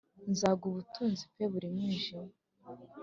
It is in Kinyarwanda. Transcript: Nzaguha ubutunzi p buri mu mwijima